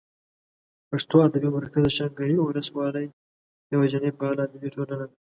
پښتو ادبي مرکز د شانګلې اولس والۍ یواځینۍ فعاله ادبي ټولنه ده